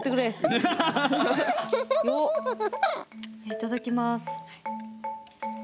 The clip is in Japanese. いただきます。